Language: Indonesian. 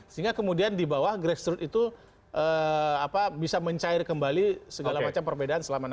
sehingga kemudian di bawah grassroots itu bisa mencair kembali segala macam perbedaan selama ini